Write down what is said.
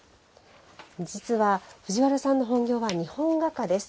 実は藤原さんの本業は日本画家です。